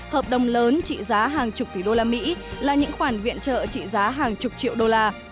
hợp đồng lớn trị giá hàng chục tỷ đô la mỹ là những khoản viện trợ trị giá hàng chục triệu đô la